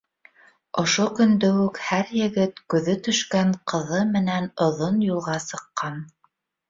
Ошо көндө үк һәр егет күҙе төшкән ҡыҙы менән оҙон юлға сыҡҡан.